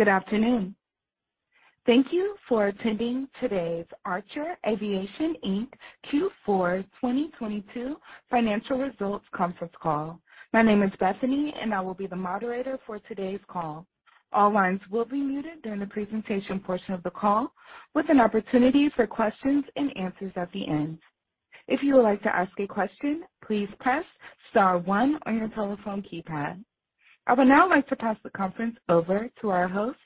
Good afternoon. Thank you for attending today's Archer Aviation Inc Q4 2022 financial results conference call. My name is Bethany. I will be the moderator for today's call. All lines will be muted during the presentation portion of the call with an opportunity for questions and answers at the end. If you would like to ask a question, please press star one on your telephone keypad. I would now like to pass the conference over to our host,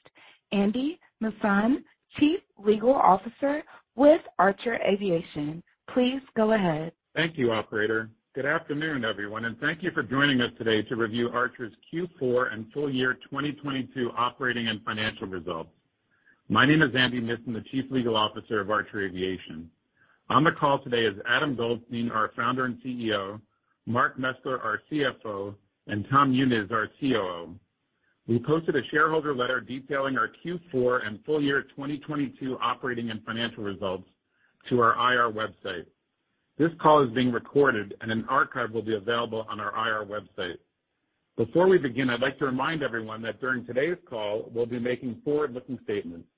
Andy Missan, Chief Legal Officer with Archer Aviation. Please go ahead. Thank you, operator. Good afternoon, everyone, and thank you for joining us today to review Archer's Q4 and full year 2022 operating and financial results. My name is Andy Missan, the Chief Legal Officer of Archer Aviation. On the call today is Adam Goldstein, our Founder and CEO, Mark Mesler, our CFO, and Tom Muniz, our COO. We posted a shareholder letter detailing our Q4 and full year 2022 operating and financial results to our IR website. This call is being recorded and an archive will be available on our IR website. Before we begin, I'd like to remind everyone that during today's call, we'll be making forward-looking statements.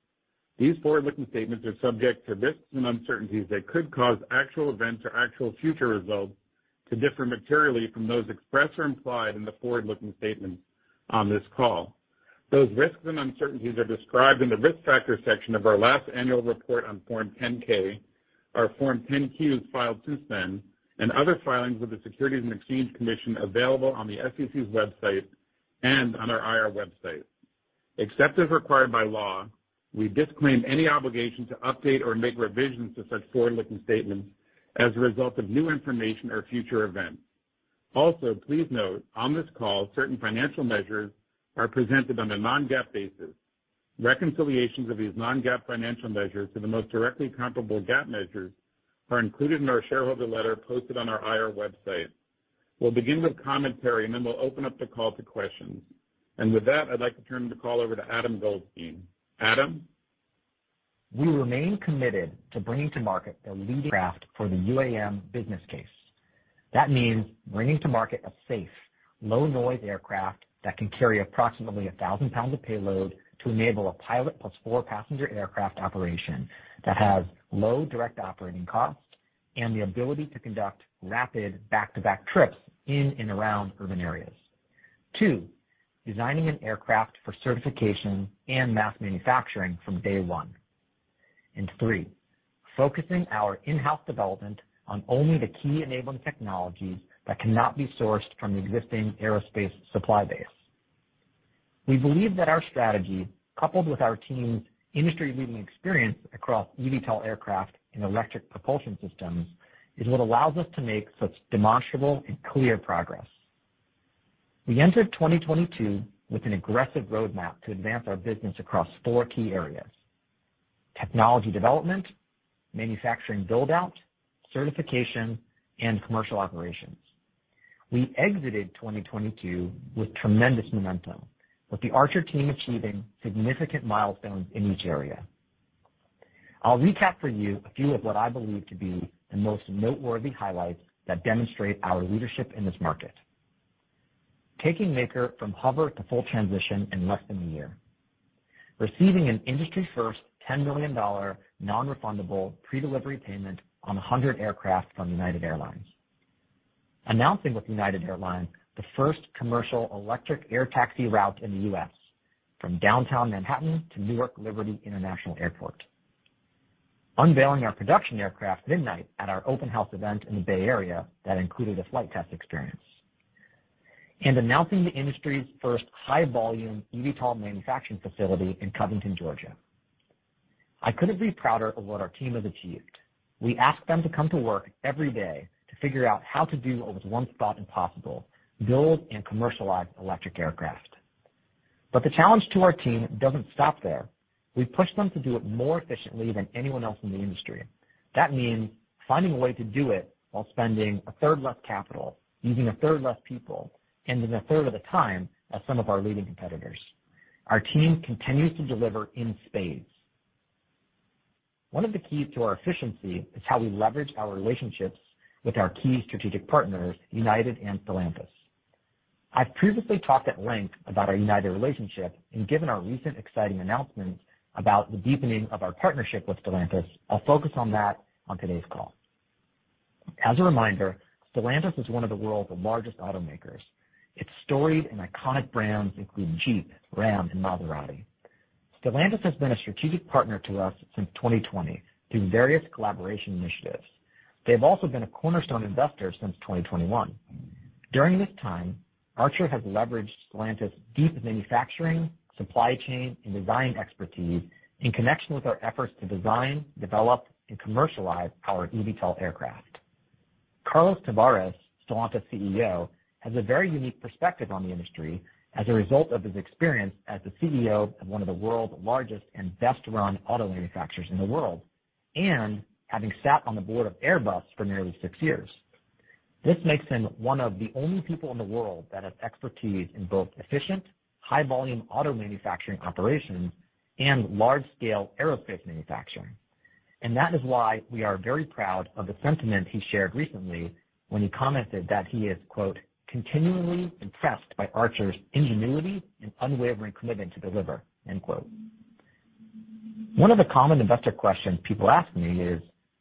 These forward-looking statements are subject to risks and uncertainties that could cause actual events or actual future results to differ materially from those expressed or implied in the forward-looking statements on this call. Those risks and uncertainties are described in the Risk Factors section of our last annual report on Form 10-K, our Form 10-Q filed since then and other filings with the Securities and Exchange Commission available on the SEC's website and on our IR website. Except as required by law, we disclaim any obligation to update or make revisions to such forward-looking statements as a result of new information or future events. Also, please note, on this call, certain financial measures are presented on a non-GAAP basis. Reconciliations of these non-GAAP financial measures to the most directly comparable GAAP measures are included in our shareholder letter posted on our IR website. We'll begin with commentary, then we'll open up the call to questions. With that, I'd like to turn the call over to Adam Goldstein. Adam. We remain committed to bringing to market a leading craft for the UAM business case. That means bringing to market a safe, low-noise aircraft that can carry approximately 1,000 lbs of payload to enable a pilot +4 passenger aircraft operation that has low direct operating costs and the ability to conduct rapid back-to-back trips in and around urban areas. Two, designing an aircraft for certification and mass manufacturing from day one. Three, focusing our in-house development on only the key enabling technologies that cannot be sourced from the existing aerospace supply base. We believe that our strategy, coupled with our team's industry-leading experience across eVTOL aircraft and electric propulsion systems, is what allows us to make such demonstrable and clear progress. We entered 2022 with an aggressive roadmap to advance our business across four key areas: technology development, manufacturing build-out, certification, and commercial operations. We exited 2022 with tremendous momentum, with the Archer team achieving significant milestones in each area. I'll recap for you a few of what I believe to be the most noteworthy highlights that demonstrate our leadership in this market. Taking Maker from hover to full transition in less than a year. Receiving an industry-first $10 million non-refundable pre-delivery payment on 100 aircraft from United Airlines. Announcing with United Airlines the first commercial electric air taxi route in the U.S. from downtown Manhattan to Newark Liberty International Airport. Unveiling our production aircraft, Midnight, at our open house event in the Bay Area that included a flight test experience. Announcing the industry's first high-volume eVTOL manufacturing facility in Covington, Georgia. I couldn't be prouder of what our team has achieved. We ask them to come to work every day to figure out how to do what was once thought impossible: build and commercialize electric aircraft. The challenge to our team doesn't stop there. We push them to do it more efficiently than anyone else in the industry. That means finding a way to do it while spending a third less capital, using a third less people, and in a third of the time of some of our leading competitors. Our team continues to deliver in spades. One of the keys to our efficiency is how we leverage our relationships with our key strategic partners, United and Stellantis. I've previously talked at length about our United relationship. Given our recent exciting announcement about the deepening of our partnership with Stellantis, I'll focus on that on today's call. As a reminder, Stellantis is one of the world's largest automakers. Its storied and iconic brands include Jeep, Ram, and Maserati. Stellantis has been a strategic partner to us since 2020 through various collaboration initiatives. They have also been a cornerstone investor since 2021. During this time, Archer has leveraged Stellantis' deep manufacturing, supply chain, and design expertise in connection with our efforts to design, develop, and commercialize our eVTOL aircraft. Carlos Tavares, Stellantis CEO, has a very unique perspective on the industry as a result of his experience as the CEO of one of the world's largest and best-run auto manufacturers in the world, and having sat on the board of Airbus for nearly six years. This makes him one of the only people in the world that has expertise in both efficient, high-volume auto manufacturing operations and large-scale aerospace manufacturing. That is why we are very proud of the sentiment he shared recently when he commented that he is quote, "Continually impressed by Archer's ingenuity and unwavering commitment to deliver," end quote. One of the common investor questions people ask me is,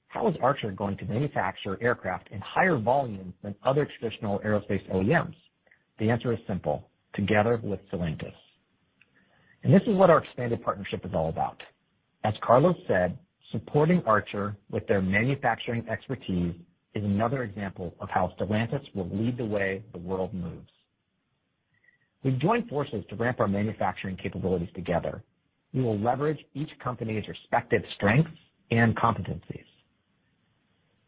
how is Archer going to manufacture aircraft in higher volumes than other traditional aerospace OEMs? The answer is simple: together with Stellantis. This is what our expanded partnership is all about. As Carlos said, supporting Archer with their manufacturing expertise is another example of how Stellantis will lead the way the world moves. We've joined forces to ramp our manufacturing capabilities together. We will leverage each company's respective strengths and competencies.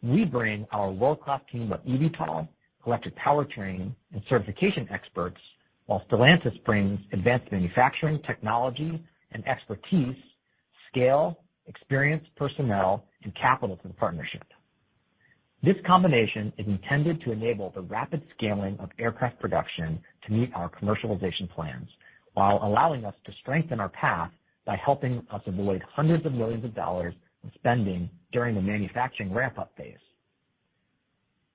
We bring our world-class team of eVTOL, electric powertrain, and certification experts, while Stellantis brings advanced manufacturing technology and expertise, scale, experienced personnel, and capital to the partnership. This combination is intended to enable the rapid scaling of aircraft production to meet our commercialization plans while allowing us to strengthen our path by helping us avoid hundreds of millions of dollars in spending during the manufacturing ramp-up phase.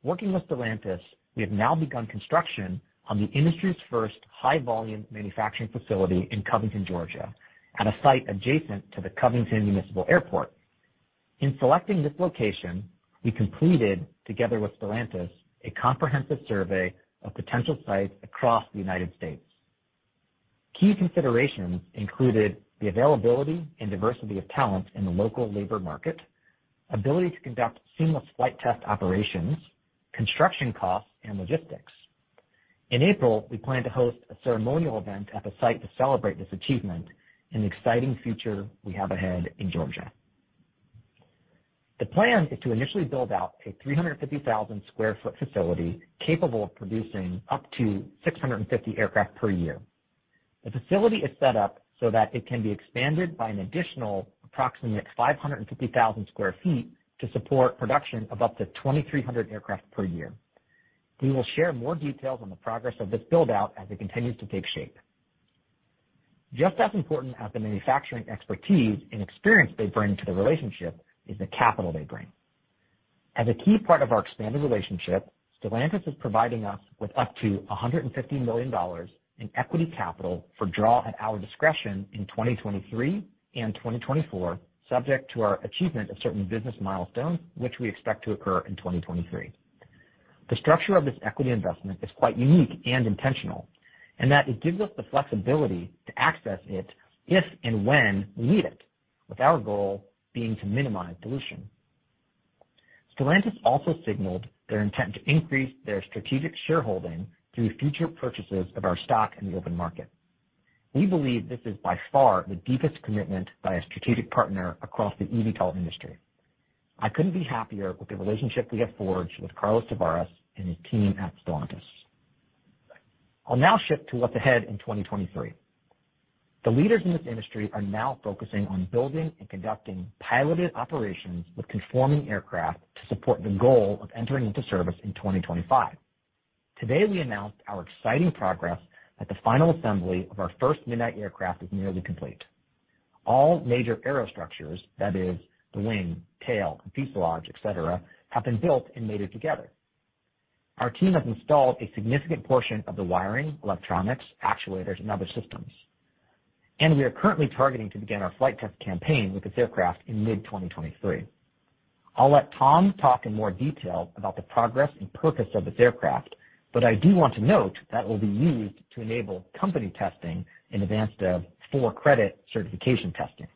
Working with Stellantis, we have now begun construction on the industry's first high-volume manufacturing facility in Covington, Georgia, at a site adjacent to the Covington Municipal Airport. In selecting this location, we completed, together with Stellantis, a comprehensive survey of potential sites across the United States. Key considerations included the availability and diversity of talent in the local labor market, ability to conduct seamless flight test operations, construction costs, and logistics. In April, we plan to host a ceremonial event at the site to celebrate this achievement and the exciting future we have ahead in Georgia. The plan is to initially build out a 350,000 sq ft facility capable of producing up to 650 aircraft per year. The facility is set up so that it can be expanded by an additional approximately 550,000 sq ft to support production of up to 2,300 aircraft per year. We will share more details on the progress of this build-out as it continues to take shape. Just as important as the manufacturing expertise and experience they bring to the relationship is the capital they bring. As a key part of our expanded relationship, Stellantis is providing us with up to $150 million in equity capital for draw at our discretion in 2023 and 2024, subject to our achievement of certain business milestones, which we expect to occur in 2023. The structure of this equity investment is quite unique and intentional, in that it gives us the flexibility to access it if and when we need it, with our goal being to minimize dilution. Stellantis also signaled their intent to increase their strategic shareholding through future purchases of our stock in the open market. We believe this is by far the deepest commitment by a strategic partner across the eVTOL industry. I couldn't be happier with the relationship we have forged with Carlos Tavares and his team at Stellantis. I'll now shift to what's ahead in 2023. The leaders in this industry are now focusing on building and conducting piloted operations with conforming aircraft to support the goal of entering into service in 2025. Today, we announced our exciting progress that the final assembly of our first Midnight aircraft is nearly complete. All major aerostructures, that is the wing, tail, fuselage, et cetera, have been built and mated together. Our team has installed a significant portion of the wiring, electronics, actuators, and other systems. We are currently targeting to begin our flight test campaign with this aircraft in mid-2023. I'll let Tom talk in more detail about the progress and purpose of this aircraft, but I do want to note that it will be used to enable company testing in advance of full credit certification testing.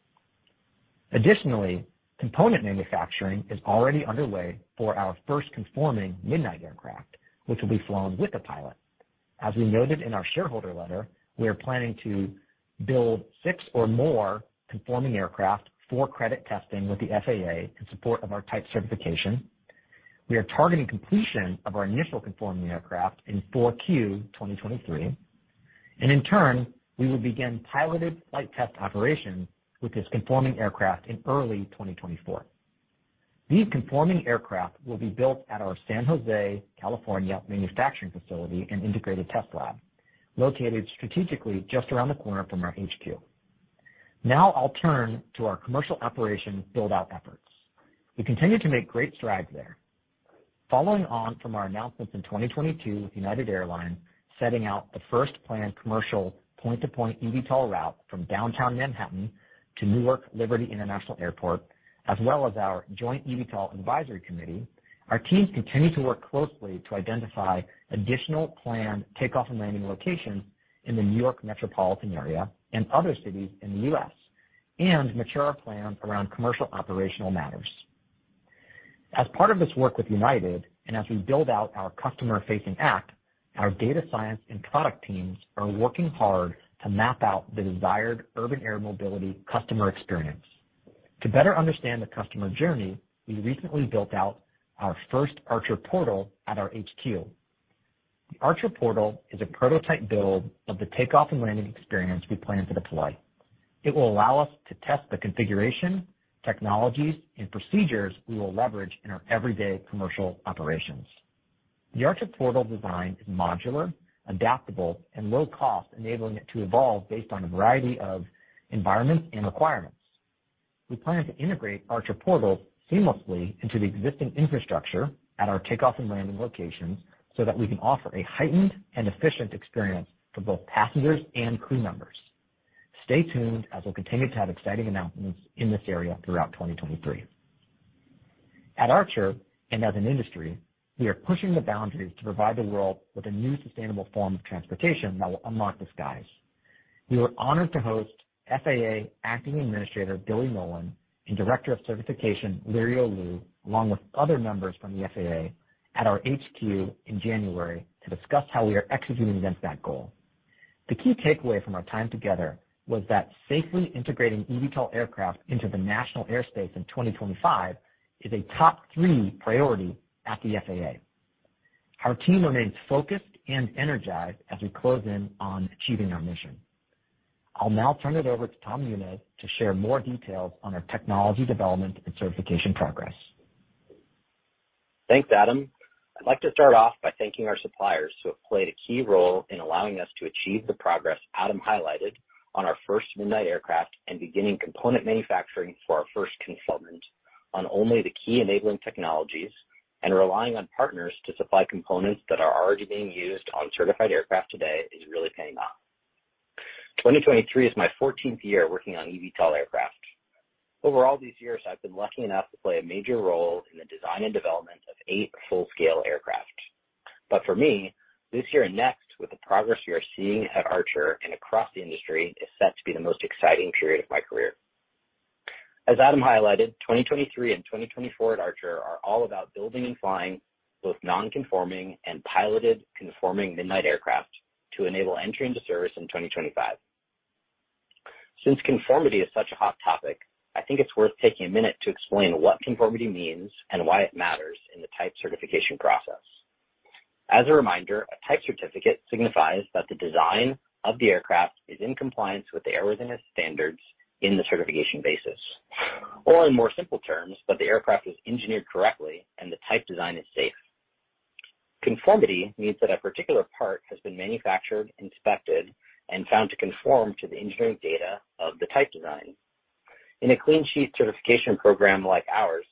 Additionally, component manufacturing is already underway for our first conforming Midnight aircraft, which will be flown with a pilot. As we noted in our shareholder letter, we are planning to build six or more conforming aircraft for-credit testing with the FAA in support of our type certification. We are targeting completion of our initial conforming aircraft in Q4 2023. In turn, we will begin piloted flight test operations with this conforming aircraft in early 2024. These conforming aircraft will be built at our San Jose, California, manufacturing facility and integrated test lab, located strategically just around the corner from our HQ. Now I'll turn to our commercial operations build-out efforts. We continue to make great strides there. Following on from our announcements in 2022 with United Airlines setting out the first planned commercial point-to-point eVTOL route from downtown Manhattan to Newark Liberty International Airport, as well as our joint eVTOL advisory committee, our teams continue to work closely to identify additional planned takeoff and landing locations in the New York metropolitan area and other cities in the U.S. and mature our plans around commercial operational matters. As part of this work with United, as we build out our customer-facing act, our data science and product teams are working hard to map out the desired urban air mobility customer experience. To better understand the customer journey, we recently built out our first Archer Portal at our HQ. The Archer Portal is a prototype build of the takeoff and landing experience we plan to deploy. It will allow us to test the configuration, technologies, and procedures we will leverage in our everyday commercial operations. The Archer Portal design is modular, adaptable, and low cost, enabling it to evolve based on a variety of environments and requirements. We plan to integrate Archer Portal seamlessly into the existing infrastructure at our takeoff and landing locations so that we can offer a heightened and efficient experience for both passengers and crew members. Stay tuned as we'll continue to have exciting announcements in this area throughout 2023. At Archer and as an industry, we are pushing the boundaries to provide the world with a new sustainable form of transportation that will unlock the skies. We were honored to host FAA Acting Administrator Billy Nolen and Director of Certification Lirio Liu, along with other members from the FAA at our HQ in January to discuss how we are executing against that goal. The key takeaway from our time together was that safely integrating eVTOL aircraft into the national airspace in 2025 is a top three priority at the FAA. Our team remains focused and energized as we close in on achieving our mission. I'll now turn it over to Tom Muniz to share more details on our technology development and certification progress. Thanks, Adam. I'd like to start off by thanking our suppliers who have played a key role in allowing us to achieve the progress Adam highlighted on our first Midnight aircraft and beginning component manufacturing for our first conformant on only the key enabling technologies and relying on partners to supply components that are already being used on certified aircraft today is really paying off. 2023 is my 14th year working on eVTOL aircraft. Over all these years, I've been lucky enough to play a major role in the design and development of eight full-scale aircraft. For me, this year and next, with the progress we are seeing at Archer and across the industry, is set to be the most exciting period of my career. As Adam highlighted, 2023 and 2024 at Archer are all about building and flying both non-conforming and piloted conforming Midnight aircraft to enable entry into service in 2025. Since conformity is such a hot topic, I think it's worth taking a minute to explain what conformity means and why it matters in the type certification process. As a reminder, a type certificate signifies that the design of the aircraft is in compliance with the airworthiness standards in the certification basis, or in more simple terms, that the aircraft was engineered correctly and the type design is safe. Conformity means that a particular part has been manufactured, inspected, and found to conform to the engineering data of the type design. In a clean sheet certification program like ours,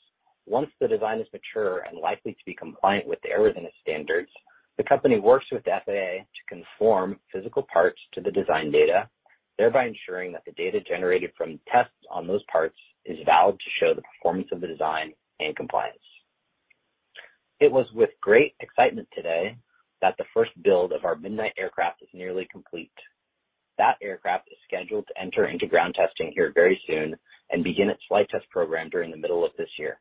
once the design is mature and likely to be compliant with the airworthiness standards, the company works with the FAA to conform physical parts to the design data, thereby ensuring that the data generated from tests on those parts is valid to show the performance of the design and compliance. It was with great excitement today that the first build of our Midnight aircraft is nearly complete. That aircraft is scheduled to enter into ground testing here very soon and begin its flight test program during the middle of this year.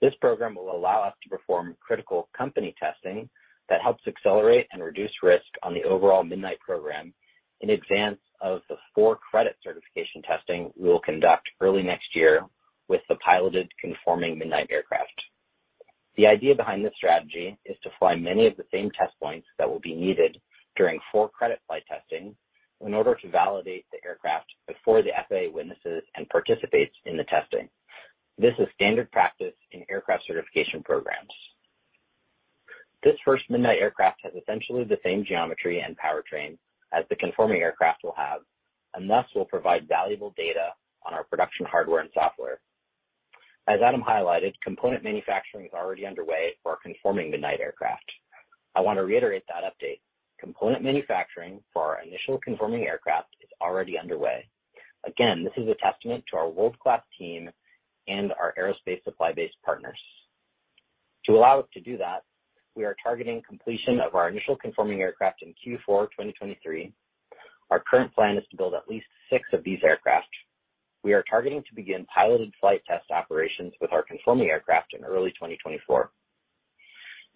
This program will allow us to perform critical company testing that helps accelerate and reduce risk on the overall Midnight program in advance of the for-credit certification testing we will conduct early next year with the piloted conforming Midnight aircraft. The idea behind this strategy is to fly many of the same test points that will be needed during for-credit flight testing in order to validate the aircraft before the FAA witnesses and participates in the testing. This is standard practice in aircraft certification programs. This first Midnight aircraft has essentially the same geometry and powertrain as the conforming aircraft will have, and thus will provide valuable data on our production hardware and software. As Adam highlighted, component manufacturing is already underway for our conforming Midnight aircraft. I want to reiterate that update. Component manufacturing for our initial conforming aircraft is already underway. Again, this is a testament to our world-class team and our aerospace supply-based partners. To allow us to do that, we are targeting completion of our initial conforming aircraft in Q4 2023. Our current plan is to build at least six of these aircraft. We are targeting to begin piloted flight test operations with our conforming aircraft in early 2024.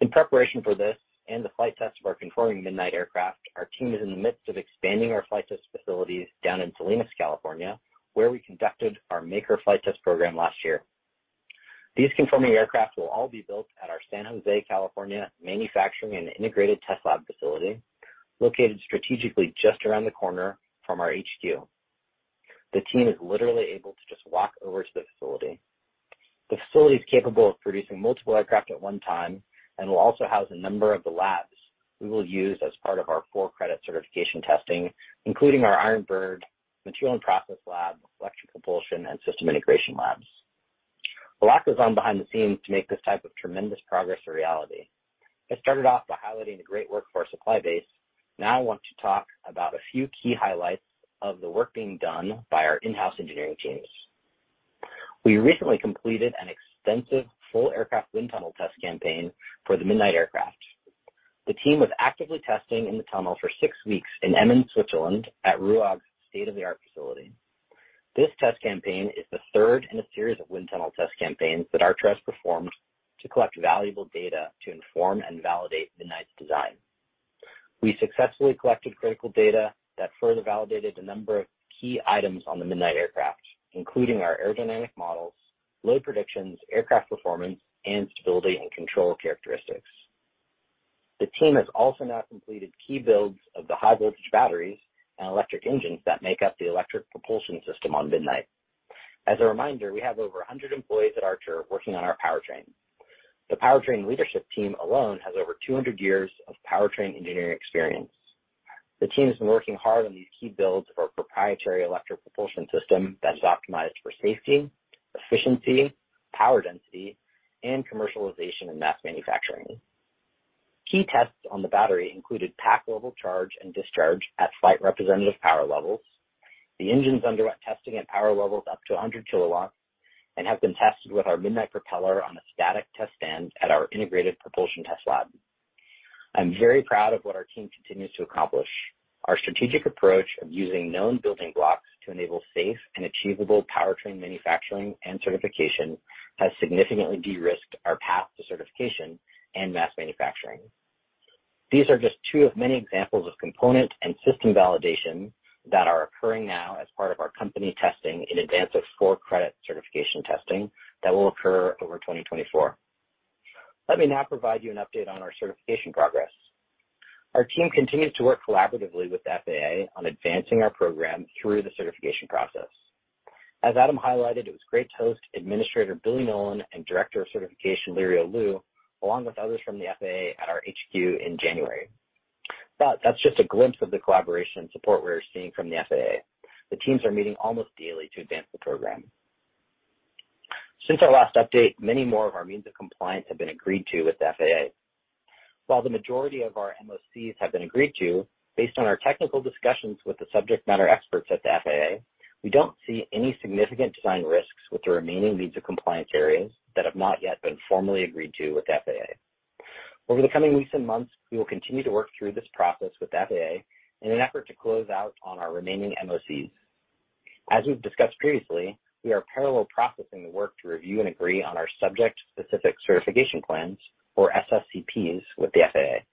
In preparation for this and the flight test of our conforming Midnight aircraft, our team is in the midst of expanding our flight test facilities down in Salinas, California, where we conducted our Maker flight test program last year. These conforming aircraft will all be built at our San Jose, California manufacturing and integrated test lab facility located strategically just around the corner from our HQ The team is literally able to just walk over to the facility. The facility is capable of producing multiple aircraft at one time and will also house a number of the labs we will use as part of our for-credit certification testing, including our Iron Bird material and process lab, electric propulsion, and system integration labs. A lot goes on behind the scenes to make this type of tremendous progress a reality. I started off by highlighting the great work for our supply base. I want to talk about a few key highlights of the work being done by our in-house engineering teams. We recently completed an extensive full aircraft wind tunnel test campaign for the Midnight aircraft. The team was actively testing in the tunnel for six weeks in Emmen, Switzerland at RUAG's state-of-the-art facility. This test campaign is the third in a series of wind tunnel test campaigns that Archer has performed to collect valuable data to inform and validate Midnight's design. We successfully collected critical data that further validated a number of key items on the Midnight aircraft, including our aerodynamic models, load predictions, aircraft performance, and stability and control characteristics. The team has also now completed key builds of the high-voltage batteries and electric engines that make up the electric propulsion system on Midnight. As a reminder, we have over 100 employees at Archer working on our powertrain. The powertrain leadership team alone has over 200 years of powertrain engineering experience. The team has been working hard on these key builds of our proprietary electric propulsion system that is optimized for safety, efficiency, power density, and commercialization and mass manufacturing. Key tests on the battery included pack level charge and discharge at flight representative power levels. The engines underwent testing at power levels up to 100 kW and have been tested with our Midnight propeller on a static test stand at our integrated propulsion test lab. I'm very proud of what our team continues to accomplish. Our strategic approach of using known building blocks to enable safe and achievable powertrain manufacturing and certification has significantly de-risked our path to certification and mass manufacturing. These are just two of many examples of component and system validation that are occurring now as part of our company testing in advance of for-credit certification testing that will occur over 2024. Let me now provide you an update on our certification progress. Our team continues to work collaboratively with the FAA on advancing our program through the certification process. As Adam highlighted, it was great to host Administrator Billy Nolen and Director of Certification Lirio Liu, along with others from the FAA at our HQ in January. That's just a glimpse of the collaboration and support we're seeing from the FAA. The teams are meeting almost daily to advance the program. Since our last update, many more of our means of compliance have been agreed to with the FAA. While the majority of our MOCs have been agreed to, based on our technical discussions with the subject matter experts at the FAA, we don't see any significant design risks with the remaining means of compliance areas that have not yet been formally agreed to with the FAA. Over the coming weeks and months, we will continue to work through this process with the FAA in an effort to close out on our remaining MOCs. As we've discussed previously, we are parallel processing the work to review and agree on our Subject Specific Certification Plans or SSCPs with the FAA.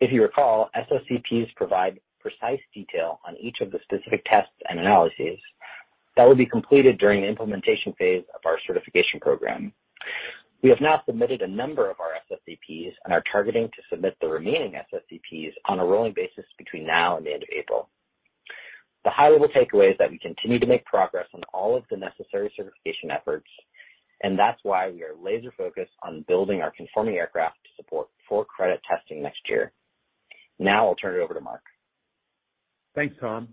If you recall, SSCPs provide precise detail on each of the specific tests and analyses that will be completed during the implementation phase of our certification program. We have now submitted a number of our SSCPs and are targeting to submit the remaining SSCPs on a rolling basis between now and the end of April. The high-level takeaway is that we continue to make progress on all of the necessary certification efforts, and that's why we are laser-focused on building our conforming aircraft to support for-credit testing next year. Now I'll turn it over to Mark. Thanks, Tom.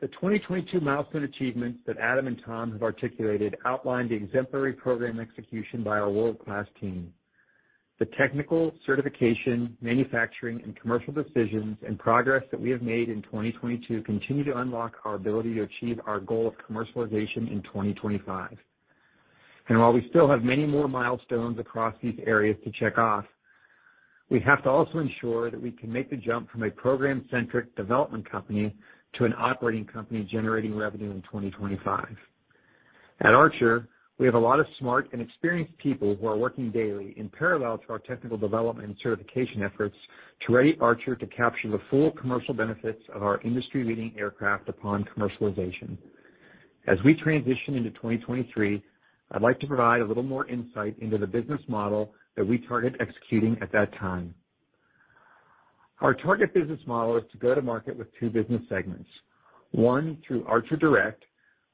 The 2022 milestone achievements that Adam and Tom have articulated outlined the exemplary program execution by our world-class team. The technical certification, manufacturing and commercial decisions and progress that we have made in 2022 continue to unlock our ability to achieve our goal of commercialization in 2025. While we still have many more milestones across these areas to check off, we have to also ensure that we can make the jump from a program-centric development company to an operating company generating revenue in 2025. At Archer, we have a lot of smart and experienced people who are working daily in parallel to our technical development and certification efforts to ready Archer to capture the full commercial benefits of our industry-leading aircraft upon commercialization. As we transition into 2023, I'd like to provide a little more insight into the business model that we target executing at that time. Our target business model is to go to market with two business segments. One through Archer Direct,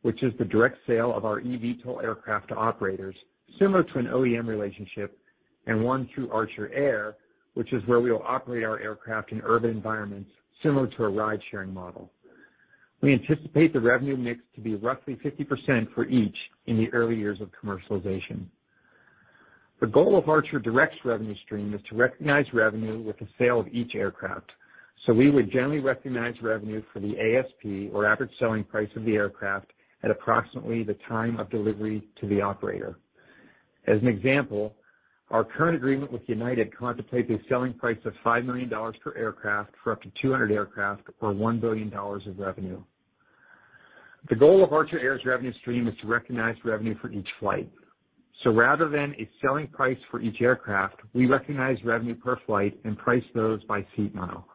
which is the direct sale of our eVTOL aircraft to operators, similar to an OEM relationship, and one through Archer Air, which is where we will operate our aircraft in urban environments similar to a ride-sharing model. We anticipate the revenue mix to be roughly 50% for each in the early years of commercialization. The goal of Archer Direct's revenue stream is to recognize revenue with the sale of each aircraft. We would generally recognize revenue for the ASP or average selling price of the aircraft at approximately the time of delivery to the operator. As an example, our current agreement with United contemplates a selling price of $5 million per aircraft for up to 200 aircraft or $1 billion of revenue. The goal of Archer Air's revenue stream is to recognize revenue for each flight. Rather than a selling price for each aircraft, we recognize revenue per flight and price those by seat mile.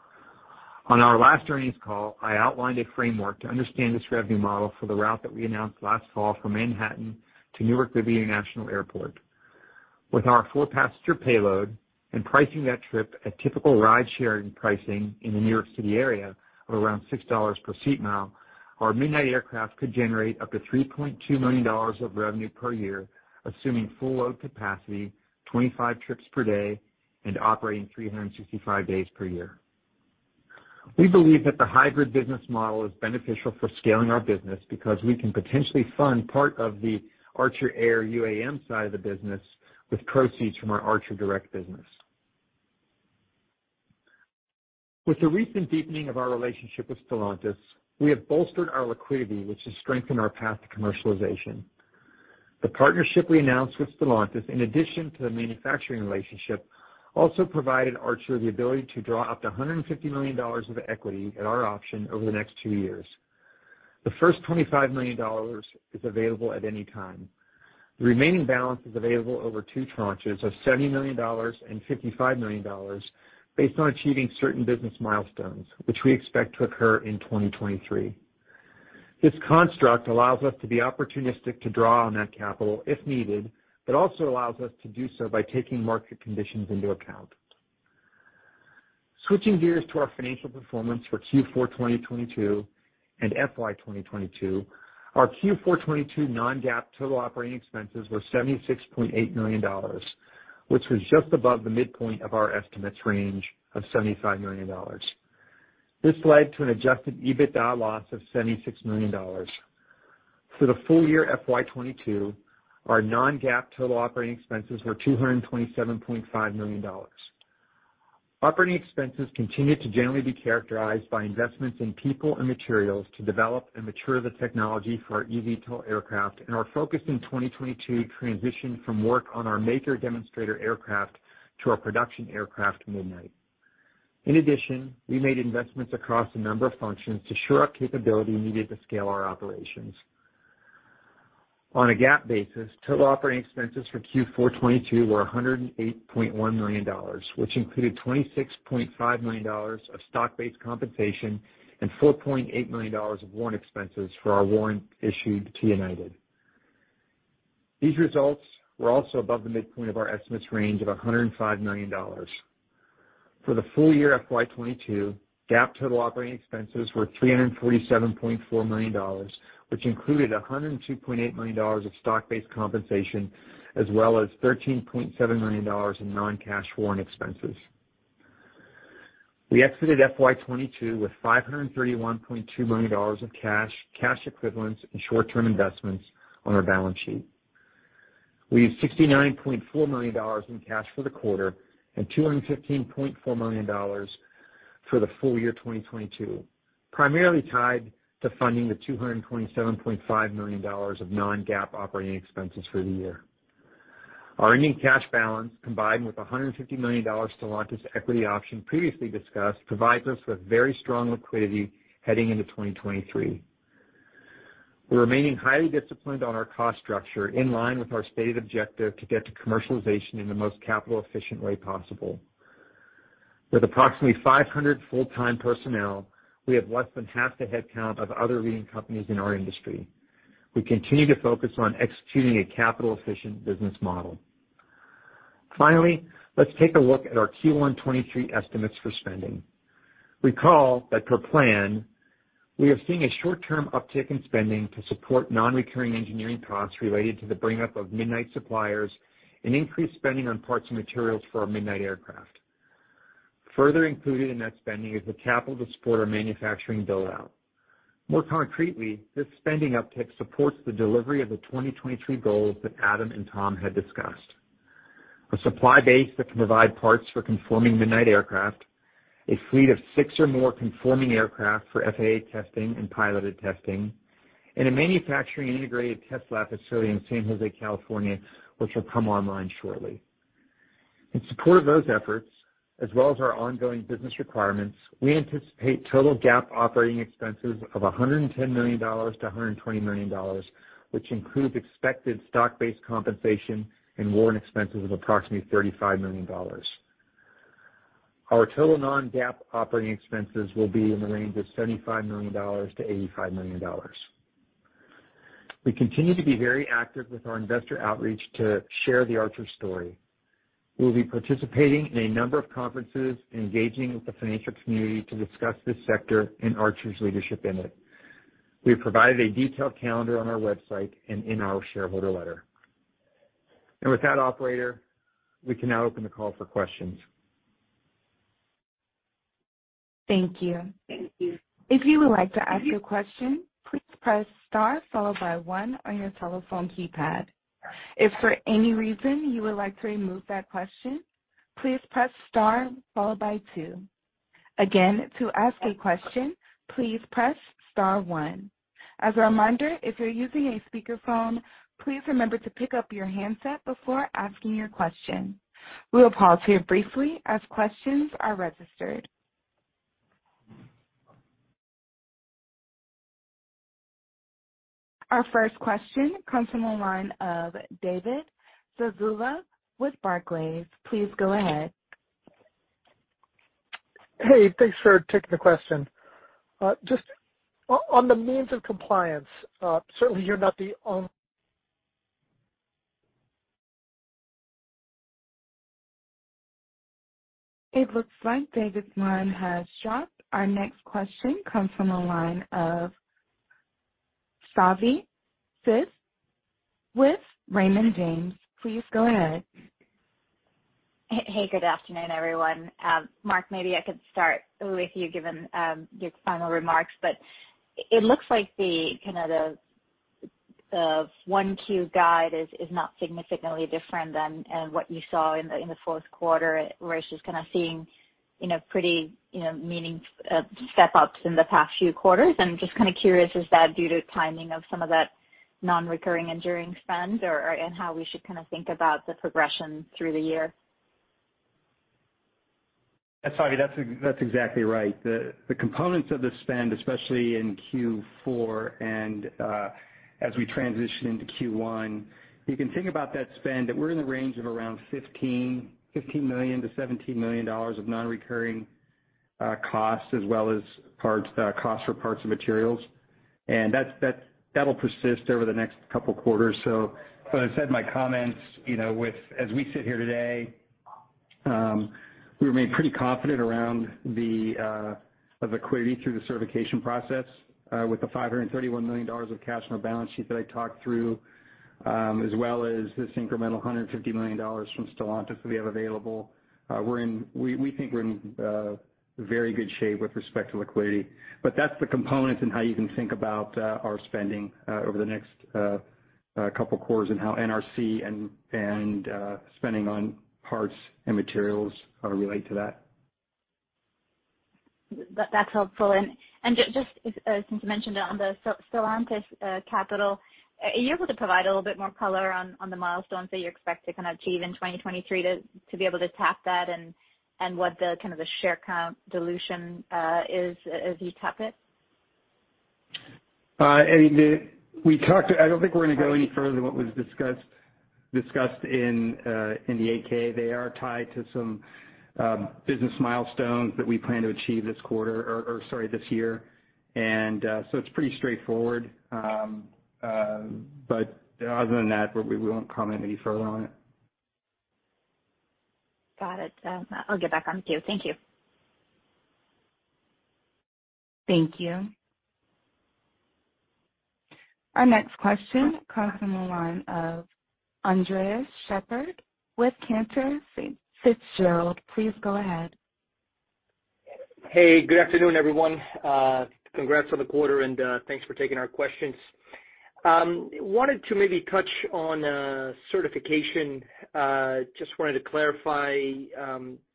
On our last earnings call, I outlined a framework to understand this revenue model for the route that we announced last fall from Manhattan to Newark Liberty International Airport. With our four-passenger payload and pricing that trip at typical ride-sharing pricing in the New York City area of around $6 per seat mile, our Midnight aircraft could generate up to $3.2 million of revenue per year, assuming full load capacity, 25 trips per day, and operating 365 days per year. We believe that the hybrid business model is beneficial for scaling our business because we can potentially fund part of the Archer Air UAM side of the business with proceeds from our Archer Direct business. With the recent deepening of our relationship with Stellantis, we have bolstered our liquidity, which has strengthened our path to commercialization. The partnership we announced with Stellantis, in addition to the manufacturing relationship, also provided Archer the ability to draw up to $150 million of equity at our option over the next two years. The first $25 million is available at any time. The remaining balance is available over two tranches of $70 million and $55 million based on achieving certain business milestones, which we expect to occur in 2023. This construct allows us to be opportunistic to draw on that capital if needed, but also allows us to do so by taking market conditions into account. Switching gears to our financial performance for Q4 2022 and FY 2022, our Q4 2022 non-GAAP total operating expenses were $76.8 million, which was just above the midpoint of our estimates range of $75 million. This led to an adjusted EBITDA loss of $76 million. For the full year FY 2022, our non-GAAP total operating expenses were $227.5 million. Operating expenses continued to generally be characterized by investments in people and materials to develop and mature the technology for our eVTOL aircraft and our focus in 2022 transitioned from work on our Maker demonstrator aircraft to our production aircraft, Midnight. In addition, we made investments across a number of functions to shore up capability needed to scale our operations. On a GAAP basis, total operating expenses for Q4 2022 were $108.1 million, which included $26.5 million of stock-based compensation and $4.8 million of warrant expenses for our warrant issued to United. These results were also above the midpoint of our estimates range of $105 million. For the full year FY 2022, GAAP total operating expenses were $347.4 million, which included $102.8 million of stock-based compensation as well as $13.7 million in non-cash foreign expenses. We exited FY2022 with $531.2 million of cash equivalents, and short-term investments on our balance sheet. We used $69.4 million in cash for the quarter and $215.4 million for the full year 2022, primarily tied to funding the $227.5 million of non-GAAP operating expenses for the year. Our ending cash balance, combined with a $150 million Stellantis equity option previously discussed, provides us with very strong liquidity heading into 2023. We're remaining highly disciplined on our cost structure, in line with our stated objective to get to commercialization in the most capital-efficient way possible. With approximately 500 full-time personnel, we have less than half the headcount of other leading companies in our industry. We continue to focus on executing a capital-efficient business model. Let's take a look at our Q1 2023 estimates for spending. Recall that per plan, we are seeing a short-term uptick in spending to support non-recurring engineering costs related to the bring up of Midnight suppliers and increased spending on parts and materials for our Midnight aircraft. Included in that spending is the capital to support our manufacturing build-out. More concretely, this spending uptick supports the delivery of the 2023 goals that Adam and Tom had discussed. A supply base that can provide parts for conforming Midnight aircraft, a fleet of six or more conforming aircraft for FAA testing and piloted testing, and a manufacturing integrated test lab facility in San Jose, California, which will come online shortly. In support of those efforts, as well as our ongoing business requirements, we anticipate total GAAP operating expenses of $110 million-$120 million, which includes expected stock-based compensation and warrant expenses of approximately $35 million. Our total non-GAAP operating expenses will be in the range of $75 million-$85 million. We continue to be very active with our investor outreach to share the Archer story. We'll be participating in a number of conferences and engaging with the financial community to discuss this sector and Archer's leadership in it. We have provided a detailed calendar on our website and in our shareholder letter. With that, operator, we can now open the call for questions. Thank you. If you would like to ask a question, please press star followed by one on your telephone keypad. If for any reason you would like to remove that question, please press star followed by two. Again, to ask a question, please press star one. As a reminder, if you're using a speakerphone, please remember to pick up your handset before asking your question. We will pause here briefly as questions are registered. Our first question comes from the line of David Zazula with Barclays. Please go ahead. Hey, thanks for taking the question. just on the Means of Compliance, certainly you're not the only. It looks like David's line has dropped. Our next question comes from the line of Savi Syth with Raymond James. Please go ahead. Hey, good afternoon, everyone. Mark, maybe I could start with you, given your final remarks, but it looks like the, kind of the 1Q guide is not significantly different than what you saw in the fourth quarter, where it's just kinda seeing, you know, pretty, you know, step-ups in the past few quarters. I'm just kinda curious, is that due to timing of some of that non-recurring engineering spend or, and how we should kinda think about the progression through the year? Savi, that's exactly right. The components of the spend, especially in Q4 and as we transition into Q1, you can think about that spend that we're in the range of around $15 million-$17 million of non-recurring costs as well as parts costs for parts and materials. That'll persist over the next couple of quarters. As I said in my comments, you know, as we sit here today, we remain pretty confident around the equity through the certification process, with the $531 million of cash on our balance sheet that I talked through, as well as this incremental $150 million from Stellantis that we have available. We think we're in very good shape with respect to liquidity. That's the components in how you can think about our spending over the next couple of quarters and how NRC and spending on parts and materials relate to that. That's helpful. Just since you mentioned on the Stellantis capital, are you able to provide a little bit more color on the milestones that you expect to kind of achieve in 2023 to be able to tap that and what the kind of the share count dilution is as you tap it? I mean, we talked, I don't think we're gonna go any further than what was discussed in the 8-K. They are tied to some business milestones that we plan to achieve this quarter or sorry, this year. It's pretty straightforward. Other than that, we won't comment any further on it. Got it. I'll get back on queue. Thank you. Thank you. Our next question comes from the line of Andres Sheppard with Cantor Fitzgerald. Please go ahead. Hey, good afternoon, everyone. Congrats on the quarter, and thanks for taking our questions. Wanted to maybe touch on certification. Just wanted to clarify,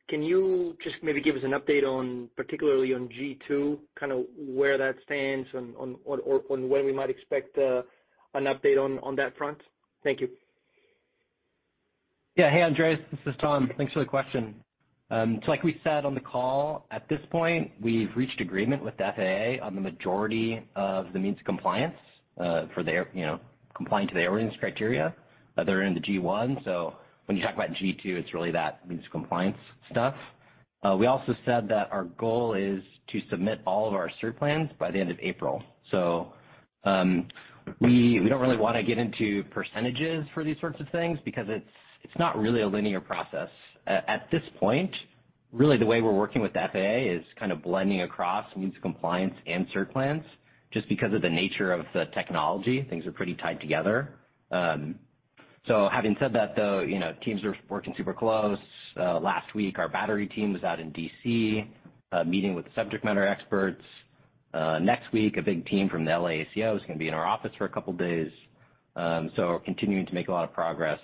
can you just maybe give us an update on particularly on G2, kind of where that stands on or when we might expect an update on that front? Thank you. Hey, Andres, this is Tom. Thanks for the question. Like we said on the call, at this point, we've reached agreement with the FAA on the majority of the Means of Compliance for their, you know, compliant to the airworthiness criteria. They're in the G1. When you talk about G2, it's really that Means of Compliance stuff. We also said that our goal is to submit all of our cert plans by the end of April. We don't really want to get into percentages for these sorts of things because it's not really a linear process. At this point, really the way we're working with the FAA is kind of blending across Means of Compliance and cert plans just because of the nature of the technology, things are pretty tied together. Having said that, though, you know, teams are working super close. Last week, our battery team was out in D.C., meeting with subject matter experts. Next week, a big team from the L.A. ACO is going to be in our office for a couple of days. We're continuing to make a lot of progress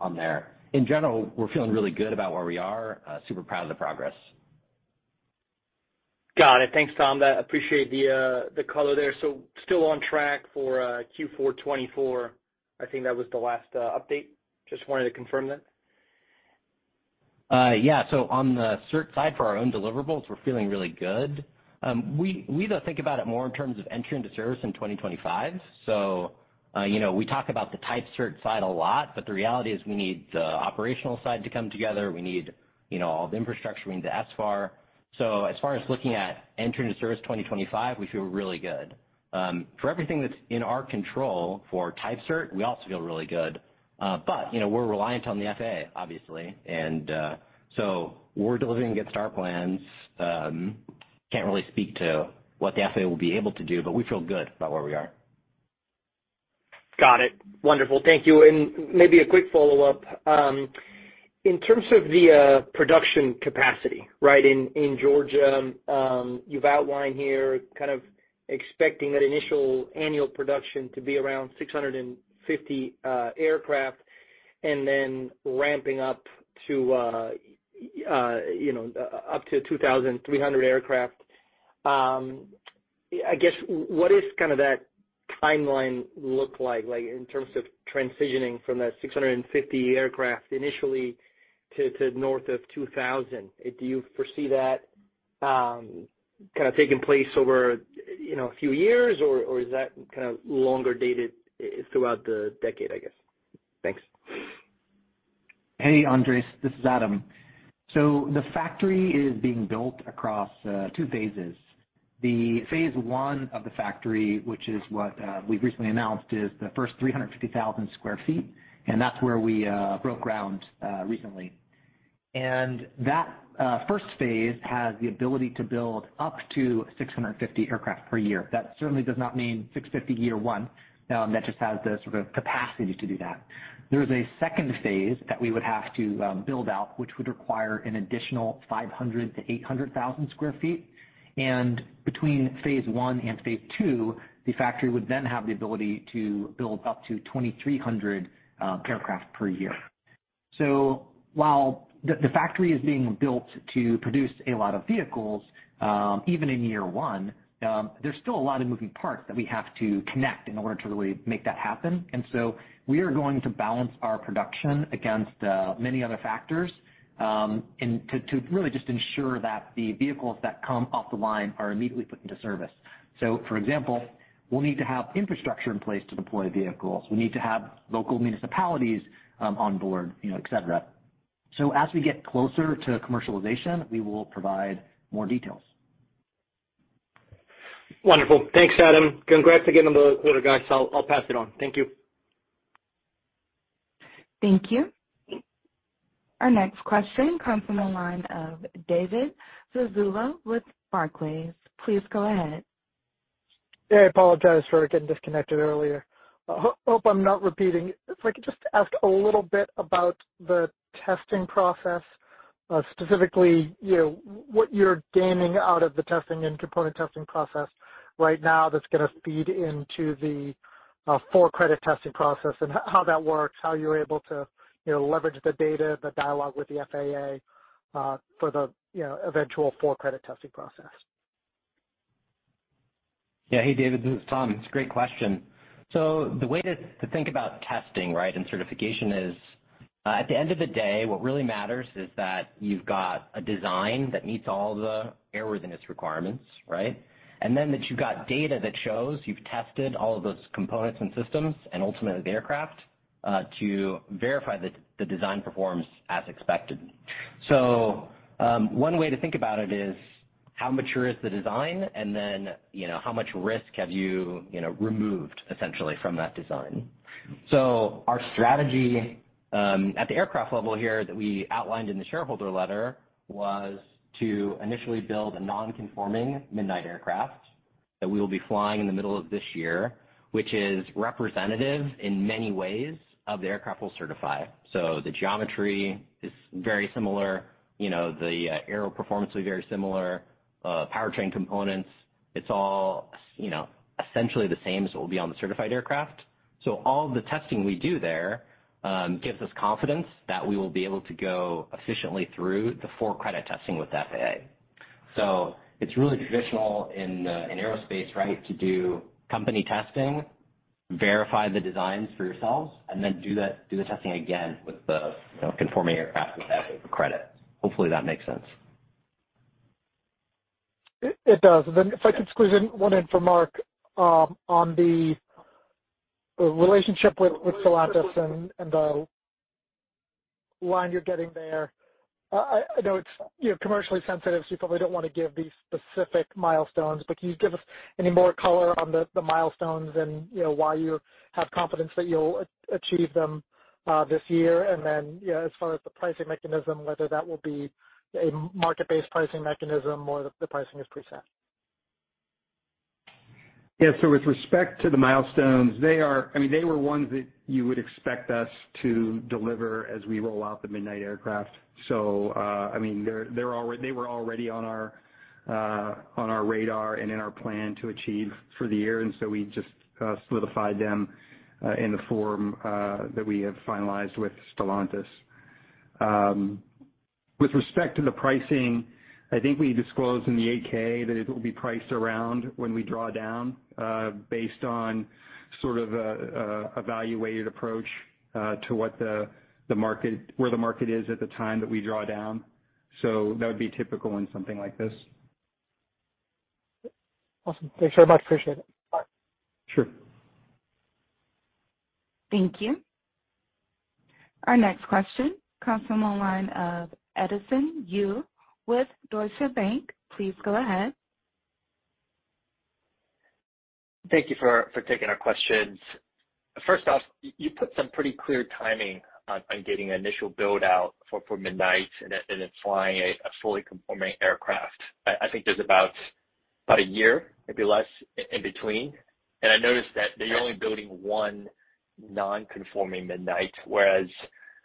on there. In general, we're feeling really good about where we are. Super proud of the progress. Got it. Thanks, Tom. I appreciate the color there. Still on track for Q4 2024. I think that was the last update. Just wanted to confirm that. Yeah, on the cert side for our own deliverables, we're feeling really good. We though think about it more in terms of entry into service in 2025. You know, we talk about the type cert side a lot, but the reality is we need the operational side to come together. We need, you know, all the infrastructure, we need the SFAR. As far as looking at entry into service 2025, we feel really good. For everything that's in our control for type cert, we also feel really good. You know, we're reliant on the FAA, obviously. We're delivering against our plans. Can't really speak to what the FAA will be able to do, but we feel good about where we are. Got it. Wonderful. Thank you. And maybe a quick follow-up. In terms of the production capacity, right? In, in Georgia, you've outlined here kind of expecting that initial annual production to be around 650 aircraft and then ramping up to, you know, up to 2,300 aircraft. I guess what is kind of that timeline look like in terms of transitioning from that 650 aircraft initially to north of 2,000? Do you foresee that kind of taking place over, you know, a few years or is that kind of longer dated throughout the decade, I guess? Thanks. Hey, Andres, this is Adam. The factory is being built across two phases. The phase one of the factory, which is what we've recently announced, is the first 350,000 sq ft, and that's where we broke ground recently. That first phase has the ability to build up to 650 aircraft per year. That certainly does not mean 650 year one. That just has the sort of capacity to do that. There is a second phase that we would have to build out, which would require an additional 500,000 sq ft-800,000 sq ft. Between phase one and phase two, the factory would then have the ability to build up to 2,300 aircraft per year. While the factory is being built to produce a lot of vehicles, even in year one, there's still a lot of moving parts that we have to connect in order to really make that happen. We are going to balance our production against many other factors, and to really just ensure that the vehicles that come off the line are immediately put into service. For example, we'll need to have infrastructure in place to deploy vehicles. We need to have local municipalities on board, you know, et cetera. As we get closer to commercialization, we will provide more details. Wonderful. Thanks, Adam. Congrats again on the letter, guys. I'll pass it on. Thank you. Thank you. Our next question comes from the line of David Zazula with Barclays. Please go ahead. Hey, I apologize for getting disconnected earlier. Hope I'm not repeating. If I could just ask a little bit about the testing process, specifically, you know, what you're gaining out of the testing and component testing process right now that's gonna feed into the full credit testing process and how that works, how you're able to, you know, leverage the data, the dialogue with the FAA, for the, you know, eventual full credit testing process? Hey, David, this is Tom. It's a great question. The way to think about testing, right, and certification is at the end of the day, what really matters is that you've got a design that meets all the airworthiness requirements, right? Then that you've got data that shows you've tested all of those components and systems, and ultimately the aircraft to verify that the design performs as expected. One way to think about it is how mature is the design and then, you know, how much risk have you know, removed essentially from that design. Our strategy at the aircraft level here that we outlined in the shareholder letter was to initially build a non-conforming Midnight aircraft that we will be flying in the middle of this year, which is representative in many ways of the aircraft we'll certify. The geometry is very similar, you know, the aero performance will be very similar. Powertrain components, it's all, you know, essentially the same as what will be on the certified aircraft. All the testing we do there, gives us confidence that we will be able to go efficiently through the full credit testing with the FAA. It's really traditional in aerospace, right, to do company testing, verify the designs for yourselves, and then do the testing again with the, you know, conforming aircraft with FAA credit. Hopefully that makes sense. It does. If I could squeeze in one in for Mark, on the relationship with Stellantis and the line you're getting there. I know it's, you know, commercially sensitive, so you probably don't wanna give the specific milestones, but can you give us any more color on the milestones and, you know, why you have confidence that you'll achieve them this year? As far as the pricing mechanism, whether that will be a market-based pricing mechanism or the pricing is preset. Yeah. With respect to the milestones, I mean, they were ones that you would expect us to deliver as we roll out the Midnight aircraft. I mean, they were already on our radar and in our plan to achieve for the year, and so we just solidified them in the form that we have finalized with Stellantis. With respect to the pricing, I think we disclosed in the 8-K that it will be priced around when we draw down, based on sort of a evaluated approach, to where the market is at the time that we draw down. That would be typical in something like this. Awesome. Thanks very much. Appreciate it. Bye. Sure. Thank you. Our next question comes from the line of Edison Yu with Deutsche Bank. Please go ahead. Thank you for taking our questions. First off, you put some pretty clear timing on getting initial build-out for Midnight and then flying a fully conforming aircraft. I think there's about a year, maybe less in between. I noticed that you're only building one non-conforming Midnight, whereas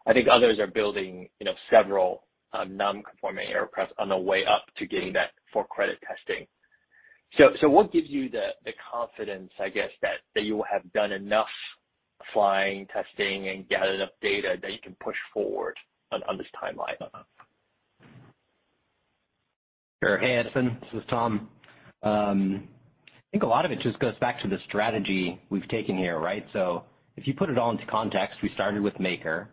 I think others are building, you know, several non-conforming aircraft on the way up to getting that full credit testing. What gives you the confidence, I guess, that you will have done enough flying, testing, and gathered enough data that you can push forward on this timeline? Sure. Hey, Edison, this is Tom. I think a lot of it just goes back to the strategy we've taken here, right? If you put it all into context, we started with Maker,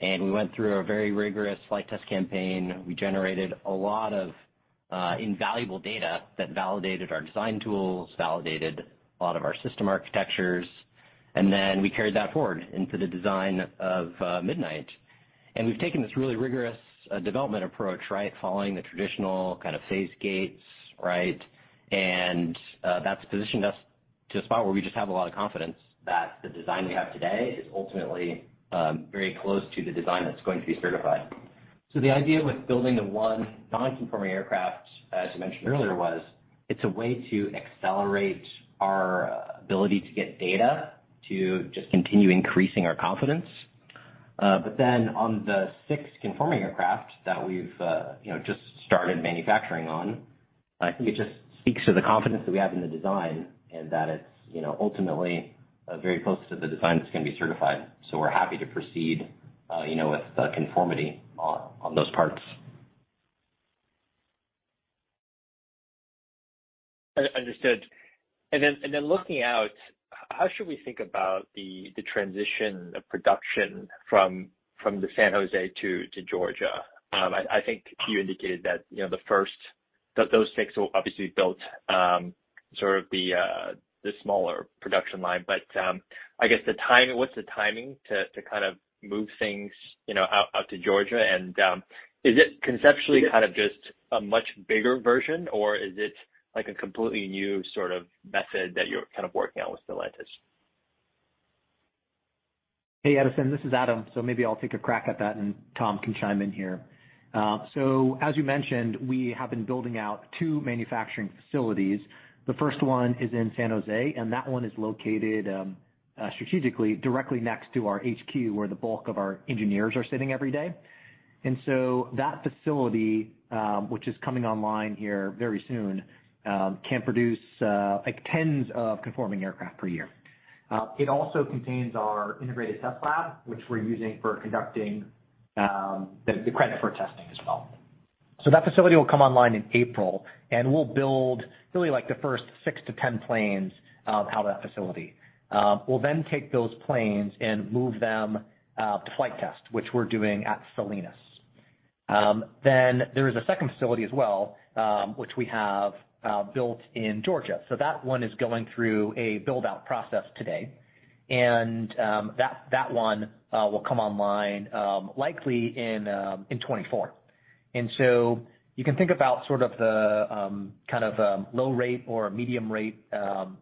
and we went through a very rigorous flight test campaign. We generated a lot of invaluable data that validated our design tools, validated a lot of our system architectures, then we carried that forward into the design of Midnight. We've taken this really rigorous development approach, right, following the traditional kind of phase gates, right? That's positioned us to a spot where we just have a lot of confidence that the design we have today is ultimately very close to the design that's going to be certified. The idea with building the one non-conforming aircraft, as you mentioned earlier, was it's a way to accelerate our ability to get data to just continue increasing our confidence. On the sixth conforming aircraft that we've, you know, just started manufacturing on, I think it just speaks to the confidence that we have in the design and that it's, you know, ultimately, very close to the design that's gonna be certified. We're happy to proceed, you know, with the conformity on those parts. Understood. Then, looking out, how should we think about the transition of production from the San Jose to Georgia? I think you indicated that, you know, the first those six will obviously build sort of the smaller production line. I guess the timing, what's the timing to kind of move things, you know, out to Georgia? Is it conceptually kind of just a much bigger version or is it like a completely new sort of method that you're kind of working on with Stellantis? Hey, Edison, this is Adam. Maybe I'll take a crack at that and Tom can chime in here. As you mentioned, we have been building out two manufacturing facilities. The first one is in San Jose, and that one is located strategically directly next to our HQ, where the bulk of our engineers are sitting every day. That facility, which is coming online here very soon, can produce like tens of conforming aircraft per year. It also contains our integrated test lab, which we're using for conducting the credit for testing as well. That facility will come online in April, and we'll build really like the first 6-10 planes out of that facility. We'll take those planes and move them to flight test, which we're doing at Salinas. There is a second facility as well, which we have built in Georgia. That one is going through a build-out process today, and that one will come online, likely in 2024. You can think about sort of the kind of low rate or medium rate,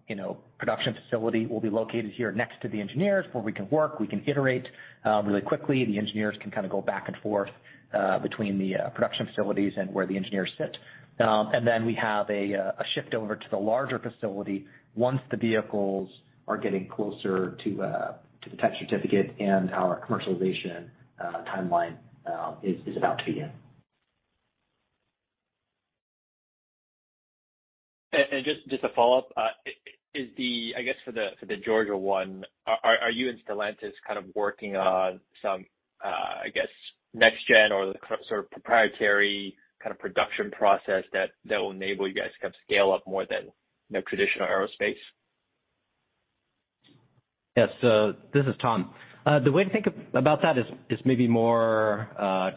you know, production facility will be located here next to the engineers where we can work, we can iterate really quickly. The engineers can kind of go back and forth between the production facilities and where the engineers sit. Then we have a shift over to the larger facility once the vehicles are getting closer to the type certificate and our commercialization timeline is about to begin. Just to follow up, is the. I guess for the Georgia one, are you and Stellantis kind of working on some, I guess next gen or sort of proprietary kind of production process that will enable you guys to kind of scale up more than the traditional aerospace? Yes. This is Tom. The way to think about that is maybe more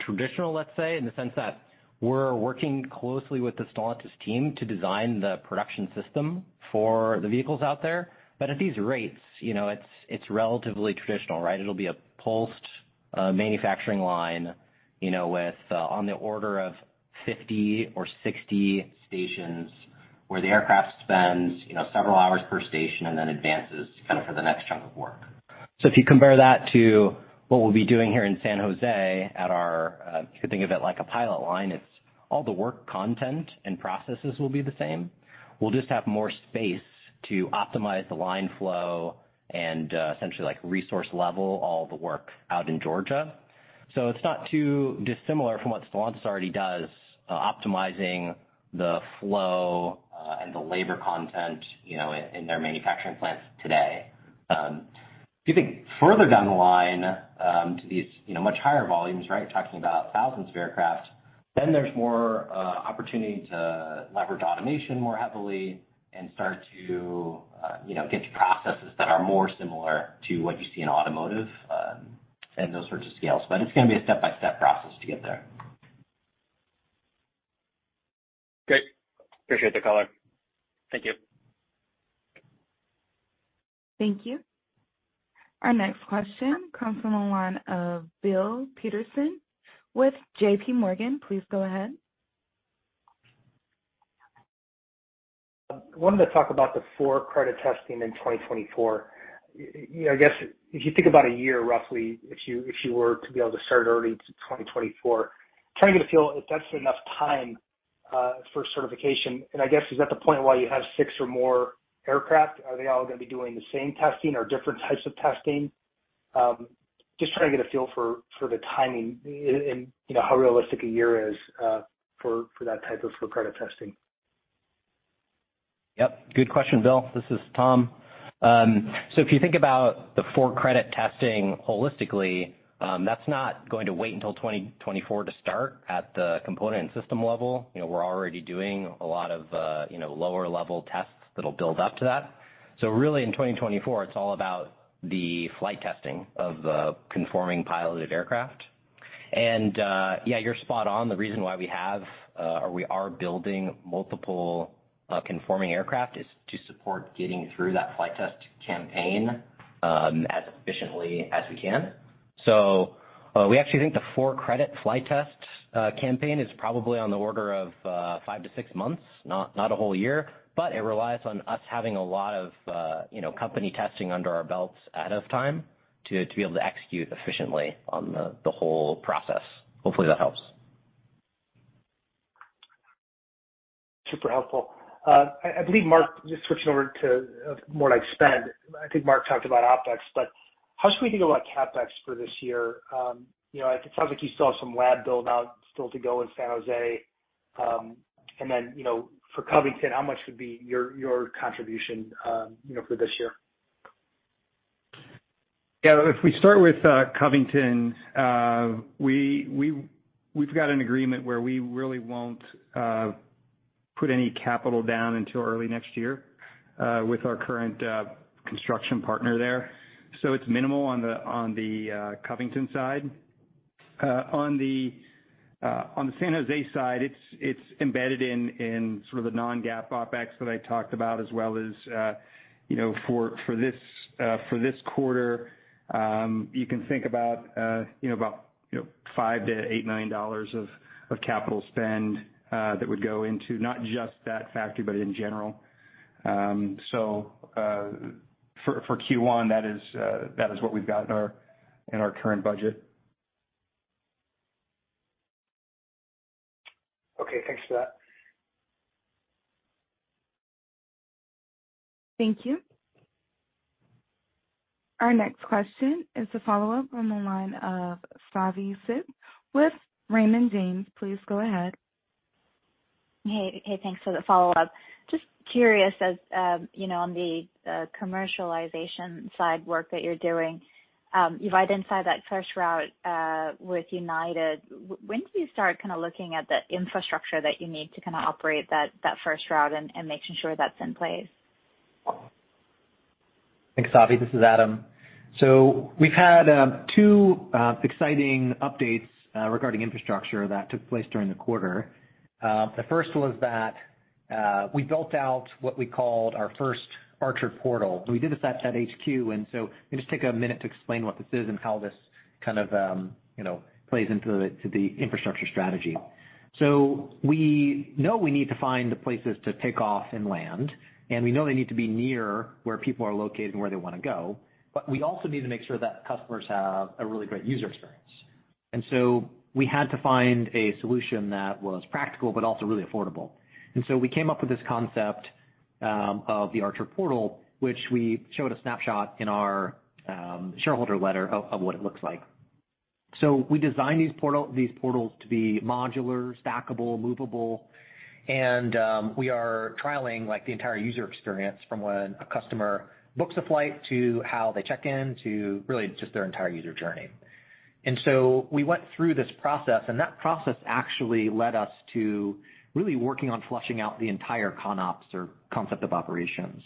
traditional, let's say, in the sense that we're working closely with the Stellantis team to design the production system for the vehicles out there. At these rates, you know, it's relatively traditional, right? It'll be a pulsed manufacturing line, you know, with on the order of 50 or 60 stations where the aircraft spends, you know, several hours per station and then advances kind of for the next chunk of work. If you compare that to what we'll be doing here in San Jose at our, you could think of it like a pilot line. It's all the work content and processes will be the same. We'll just have more space to optimize the line flow and essentially like resource level all the work out in Georgia. It's not too dissimilar from what Stellantis already does, optimizing the flow and the labor content, you know, in their manufacturing plants today. If you think further down the line, to these, you know, much higher volumes, right? You're talking about thousands of aircraft, then there's more opportunity to leverage automation more heavily and start to, you know, get to processes that are more similar to what you see in automotive, and those sorts of scales. It's gonna be a step-by-step process to get there. Great. Appreciate the color. Thank you. Thank you. Our next question comes from the line of Bill Peterson with JPMorgan. Please go ahead. Wanted to talk about the for-credit testing in 2024. You know, I guess if you think about a year roughly, if you were to be able to start early to 2024, trying to get a feel if that's enough time for certification. I guess is that the point why you have six or more aircraft? Are they all gonna be doing the same testing or different types of testing? Just trying to get a feel for the timing and, you know, how realistic a year is for that type of for-credit testing. Yep, good question, Bill. This is Tom. If you think about the for-credit testing holistically, that's not going to wait until 2024 to start at the component and system level. You know, we're already doing a lot of, you know, lower level tests that'll build up to that. really in 2024, it's all about the flight testing of the conforming piloted aircraft. yeah, you're spot on. The reason why we have, or we are building multiple conforming aircraft is to support getting through that flight test campaign as efficiently as we can. we actually think the for-credit flight test campaign is probably on the order of 5-6 months, not a whole year. It relies on us having a lot of, you know, company testing under our belts ahead of time to be able to execute efficiently on the whole process. Hopefully that helps. Super helpful. I believe Mark, just switching over to more like spend, I think Mark talked about OpEx, how should we think about CapEx for this year? You know, it sounds like you still have some lab build out still to go in San Jose. Then, you know, for Covington, how much would be your contribution, you know, for this year? Yeah. If we start with Covington, we've got an agreement where we really won't put any capital down until early next year, with our current construction partner there. It's minimal on the, on the, Covington side. On the San Jose side, it's embedded in sort of the non-GAAP OpEx that I talked about as well as, you know, for this quarter, you can think about, you know, about, you know, $5 million-$8 million of capital spend that would go into not just that factory, but in general. For Q1 that is what we've got in our current budget. Okay. Thanks for that. Thank you. Our next question is a follow-up on the line of Savi Syth with Raymond James. Please go ahead. Hey. Hey, thanks for the follow-up. Just curious, as, you know, on the commercialization side work that you're doing, you've identified that first route with United. When do you start kinda looking at the infrastructure that you need to kinda operate that first route and making sure that's in place? Thanks, Savi. This is Adam. We've had two exciting updates regarding infrastructure that took place during the quarter. The first was that we built out what we called our first Archer Portal. We did this at HQ, and let me just take a minute to explain what this is and how this kind of, you know, plays into the, to the infrastructure strategy. We know we need to find the places to take off and land, and we know they need to be near where people are located and where they want to go. We also need to make sure that customers have a really great user experience. We had to find a solution that was practical but also really affordable. We came up with this concept of the Archer Portal, which we showed a snapshot in our shareholder letter of what it looks like. We designed these portals to be modular, stackable, movable, and we are trialing, like, the entire user experience from when a customer books a flight to how they check in to really just their entire user journey. We went through this process, and that process actually led us to really working on fleshing out the entire ConOps or concept of operations.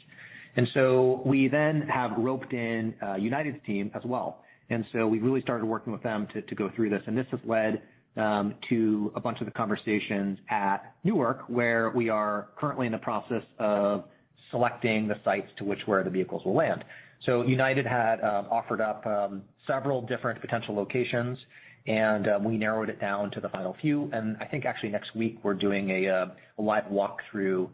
We then have roped in United's team as well. We really started working with them to go through this, and this has led to a bunch of the conversations at Newark, where we are currently in the process of selecting the sites to which where the vehicles will land. United had offered up several different potential locations, and we narrowed it down to the final few. I think actually next week we're doing a live walk-through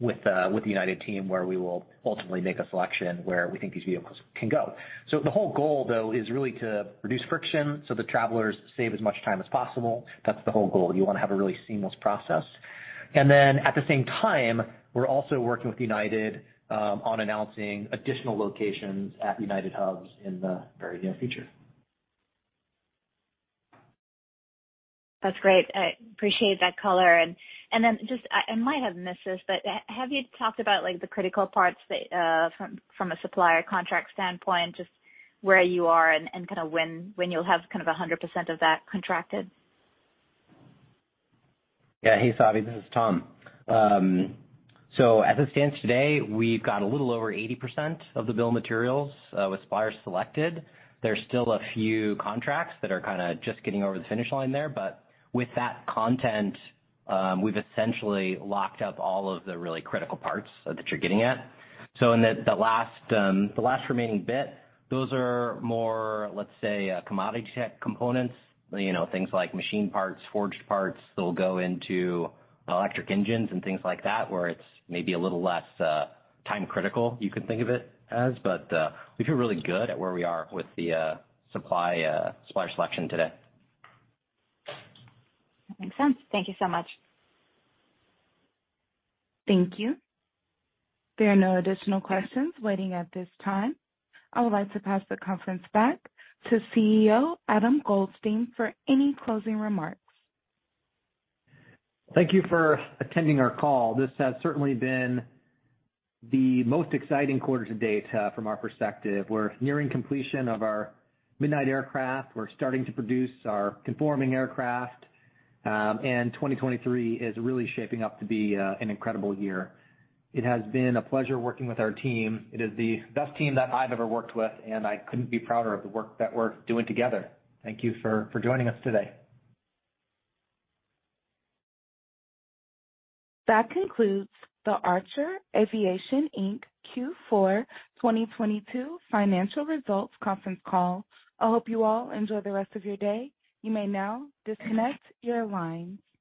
with the United team where we will ultimately make a selection where we think these vehicles can go. The whole goal, though, is really to reduce friction so the travelers save as much time as possible. That's the whole goal. You wanna have a really seamless process. At the same time, we're also working with United on announcing additional locations at United hubs in the very near future. That's great. I appreciate that color. Just I might have missed this, have you talked about, like, the critical parts that from a supplier contract standpoint, just where you are and kinda when you'll have kind of 100% of that contracted? Yeah. Hey, Savi, this is Tom. As it stands today, we've got a little over 80% of the bill of materials with suppliers selected. There's still a few contracts that are kinda just getting over the finish line there, with that content, we've essentially locked up all of the really critical parts that you're getting at. In the last remaining bit, those are more, let's say, commodity check components. You know, things like machine parts, forged parts that'll go into electric engines and things like that, where it's maybe a little less time-critical, you could think of it as. We feel really good at where we are with the supply supplier selection today. That makes sense. Thank you so much. Thank you. There are no additional questions waiting at this time. I would like to pass the conference back to CEO Adam Goldstein for any closing remarks. Thank you for attending our call. This has certainly been the most exciting quarter to date from our perspective. We're nearing completion of our Midnight aircraft. We're starting to produce our conforming aircraft. 2023 is really shaping up to be an incredible year. It has been a pleasure working with our team. It is the best team that I've ever worked with, and I couldn't be prouder of the work that we're doing together. Thank you for joining us today. That concludes the Archer Aviation Inc Q4 2022 financial results conference call. I hope you all enjoy the rest of your day. You may now disconnect your line.